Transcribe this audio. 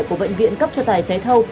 của bệnh viện cấp cho tài xế thâu